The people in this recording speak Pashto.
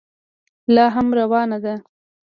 لا هم روانه ده.